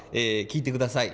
聴いてください。